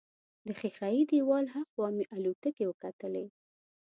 د ښیښه یي دیوال هاخوا مې الوتکې وکتلې.